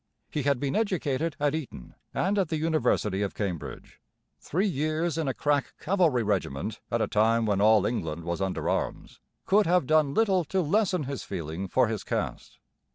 He had been educated at Eton and at the university of Cambridge. Three years in a crack cavalry regiment at a time when all England was under arms could have done little to lessen his feeling for his caste.